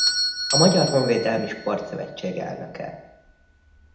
A Magyar Honvédelmi Sportszövetség elnöke.